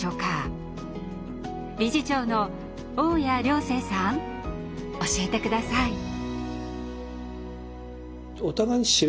理事長の雄谷良成さん教えて下さい。